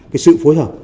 cái sự phối hợp